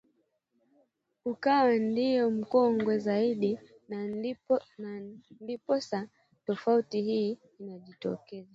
ukawa ndio mkongwe zaidi na ndiposa tofauti hii inajitokeza